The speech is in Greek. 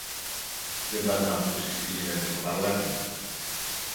Δεν πας ν' ακούσεις τι γίνεται στο παλάτι;